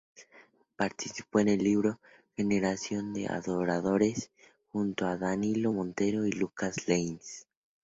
Participó en el libro "Generación de Adoradores" junto a Danilo Montero y Lucas Leys.